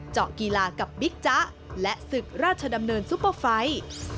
เจาะกีฬากับบิ๊กจ๊ะและศึกราชดำเนินซุปเปอร์ไฟ